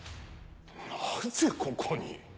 なぜここに？